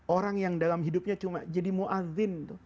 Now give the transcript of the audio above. orang yang dalam hidupnya cuma jadi mu'adhin